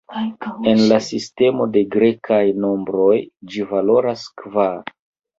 En la sistemo de grekaj nombroj ĝi valoras kvar.